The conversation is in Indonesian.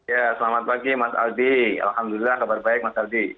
ya selamat pagi mas aldi alhamdulillah kabar baik mas aldi